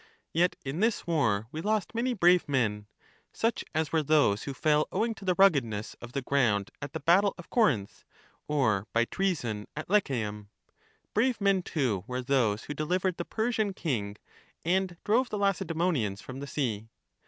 Yet in this war we lost many brave men, such as were those who fell owing to the ruggedness of the ground at the battle of Corinth, or by treason at Lechaeum. Brave men, too, were those who Address of the departed to their sons. 529 delivered the Persian king, and drove the Lacedaemonians Menexenus. 246 from the sea.